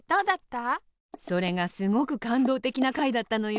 それがすごくかんどうてきなかいだったのよ。